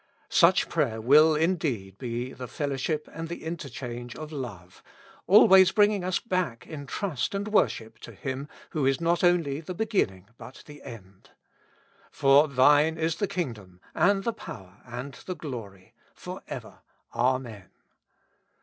Such praj^er will, indeed, be the fellowship and interchange of love, always bringing us back in trust and worship to Him who is not only the beginning, but the end: "For Thine IS THE KINGDOM, AND THE POWER, AND THE GLORY, FOREVER, Amen."